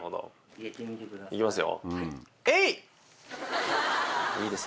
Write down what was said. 行きますよ。